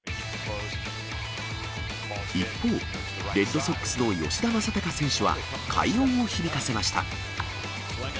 一方、レッドソックスの吉田正尚選手は、快音を響かせました。